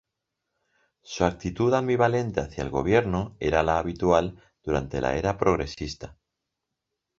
Su actitud ambivalente hacia el Gobierno era la habitual durante la Era progresista.